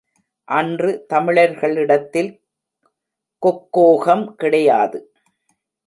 அன்று தமிழர்களிடத்தில் கொக்கோகம் கிடையாது.